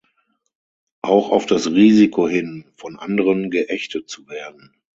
Auch auf das Risiko hin, von anderen geächtet zu werden.